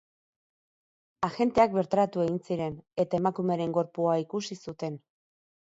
Agenteak bertaratu egin ziren, eta emakumearen gorpua ikusi zuten.